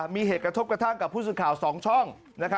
มีเหตุกระทบกระทั่งกับผู้สื่อข่าว๒ช่อง